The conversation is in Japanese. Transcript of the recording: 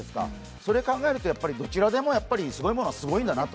それを考えるとどちらでもすごいものはすごいんだなと。